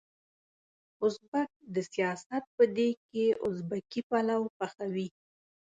ازبک د سياست په دېګ کې ازبکي پلو پخوي.